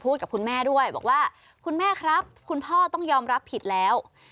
กับคุณแม่ด้วยบอกว่าคุณแม่ครับคุณพ่อต้องยอมรับผิดแล้ว